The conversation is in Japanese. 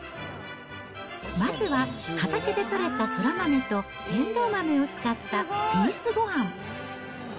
まずは、畑で取れたそら豆とえんどう豆を使ったピースごはん。